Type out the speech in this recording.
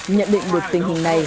nhận định một tình hình này